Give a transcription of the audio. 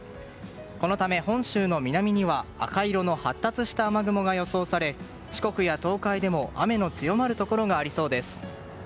このため、本州の南には赤色の発達した雨雲が予想され、四国や東海でも雨の強まるところがありそうです。